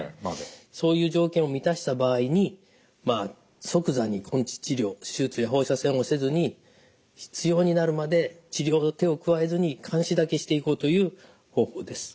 そういう条件を満たした場合にまあ即座に根治治療手術や放射線をせずに必要になるまで治療の手を加えずに監視だけしていこうという方法です。